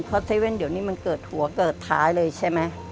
เพราะ๗๑๑เดี๋ยวนี้มันเกิดหัวเกิดท้ายเลยใช่ไหม